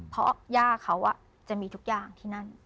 เพราะย่าเขาจะมีทุกอย่างที่นั่น